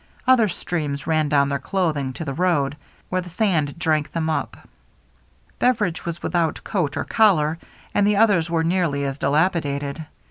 Other streams ran down their cloth ing to the road, where the sand drank them up. Beveridge was without coat or collar, and the others were nearly as dilapidated.